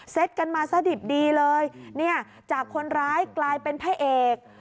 กันมาซะดิบดีเลยเนี่ยจากคนร้ายกลายเป็นพระเอก